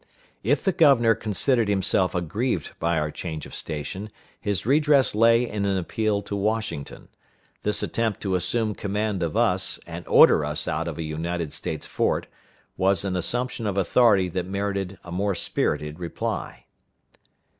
If the governor considered himself aggrieved by our change of station, his redress lay in an appeal to Washington. This attempt to assume command of us, and order us out of a United States fort, was an assumption of authority that merited a more spirited reply.